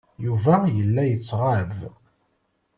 Yuba yella yettɣab.